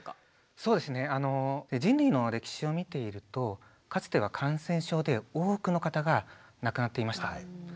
そうですね人類の歴史を見ているとかつては感染症で多くの方が亡くなっていました。